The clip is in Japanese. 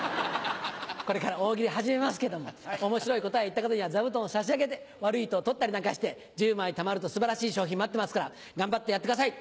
これから大喜利始めますけども面白い答えを言った方には座布団を差し上げて悪いと取ったりなんかして１０枚たまると素晴らしい賞品待ってますから頑張ってやってください。